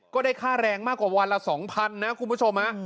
ก็ได้ค่าแรงมากกว่าวันละ๒๐๐๐นะคุณผู้ชม